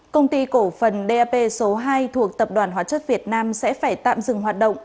công ty cổ phần dap số hai thuộc tập đoàn hóa chất việt nam sẽ phải tạm dừng hoạt động